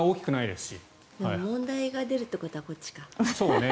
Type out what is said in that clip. でも、問題が出るってことはこっちか。